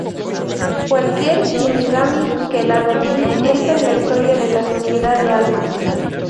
Cualquier shinigami que la domine entra en la historia de la sociedad de almas.